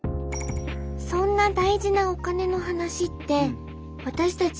そんな大事なお金の話って私たち